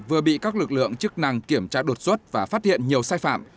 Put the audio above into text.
vừa bị các lực lượng chức năng kiểm tra đột xuất và phát hiện nhiều sai phạm